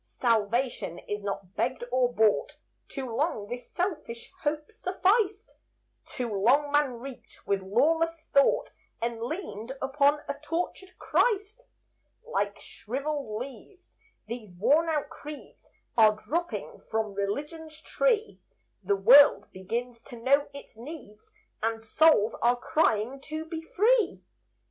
Salvation is not begged or bought; Too long this selfish hope sufficed; Too long man reeked with lawless thought, And leaned upon a tortured Christ. Like shriveled leaves, these worn out creeds Are dropping from Religion's tree; The world begins to know its needs, And souls are crying to be free.